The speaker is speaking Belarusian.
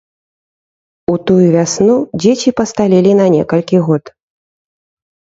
У тую вясну дзеці пасталелі на некалькі год.